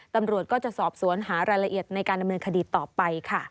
ตำรวจก็จะสอบสวนหารายละเอียดในการดำเนินคดีต่อไปค่ะ